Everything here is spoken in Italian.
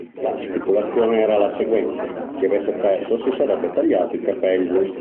La stipulazione era la seguente: chi avesse perso si sarebbe tagliato i capelli.